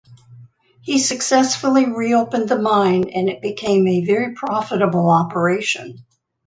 He successfully reopened the mine and it became a very profitable operation.